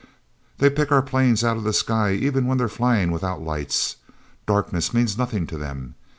They pick our planes out of the sky even when they're flying without lights. Darkness means nothing to them!